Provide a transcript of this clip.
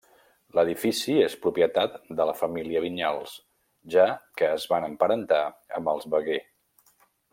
L'edifici és propietat de la família Vinyals, ja que es van emparentar amb els Veguer.